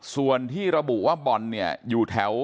ส่วนที่ระบุว่าบ่อนเนี่ยอยู่แถว